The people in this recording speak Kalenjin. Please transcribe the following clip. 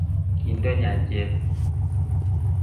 kindo nyanchet